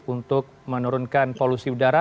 untuk menurunkan polusi udara